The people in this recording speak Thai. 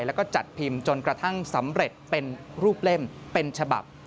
แล้วก็จัดพิมพ์จนกระทั่งสำเร็จเป็นรูปเล่มเป็นฉบับ